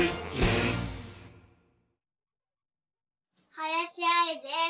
はやしあいです。